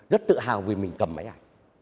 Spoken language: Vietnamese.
rất tự hào vì mình cầm máy ảnh